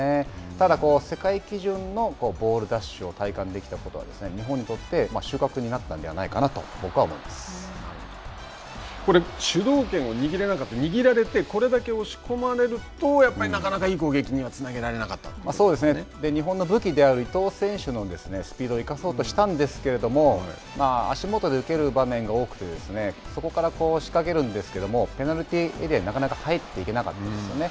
ただ、世界基準のボール奪取を体感できたことは日本にとって収穫になったんじゃこれ、主導権を握れなかったこれだけ押し込まれるとやっぱりなかなか、いい攻撃には、つなげそうですね日本の武器である伊東選手のスピードを生かそうとしたんですけれども、足元で蹴る場面が多くてそこから仕掛けるんですけれども、ペナルティーエリアになかなか入っていけなかったですよね。